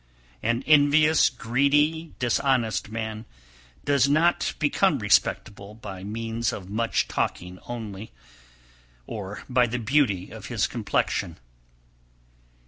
262. An envious greedy, dishonest man does not become respectable by means of much talking only, or by the beauty of his complexion.